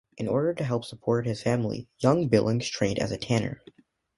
In order to help support his family, young Billings trained as a tanner.